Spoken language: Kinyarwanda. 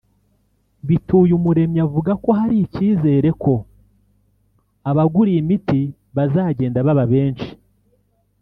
Mbituyumuremyi avuga ko hari icyizere ko uko abagura iyi miti bazagenda baba benshi